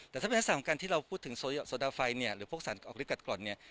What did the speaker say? แต่ถ้าเป็นลักษณะของการที่เราพูดถึงโซดาไฟเนี่ยหรือพวกสารออกฤทกัดกร่อนเนี่ย